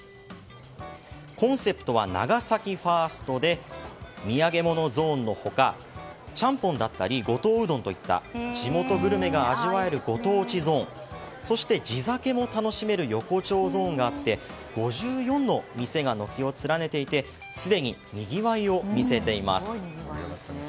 コンセプトはながさきファーストで土産物ゾーンのほかちゃんぽんだったり五島うどんといった地元グルメが味わえるご当地ゾーンそして、地酒も楽しめる横丁ゾーンがあって５４の店が軒を連ねていてすでににぎわいを見せています。